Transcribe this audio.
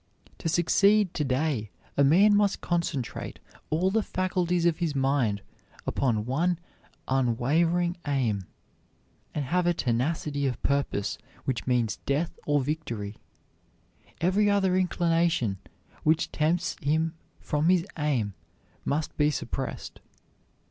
To succeed to day a man must concentrate all the faculties of his mind upon one unwavering aim, and have a tenacity of purpose which means death or victory. Every other inclination which tempts him from his aim must be suppressed.